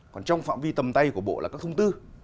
còn trong phạm vi tầm tay của bộ là các thông tư